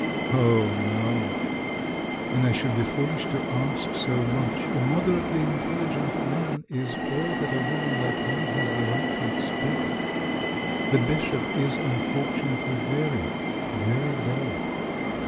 *'Oh, no! And I should be foolish to ask so much — a moderately intelligent man is all that a woman like me has the right to expect. The Bishop is unfortunately very, very dull.